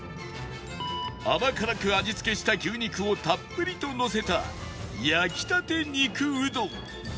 甘辛く味付けした牛肉をたっぷりとのせた焼きたて肉うどん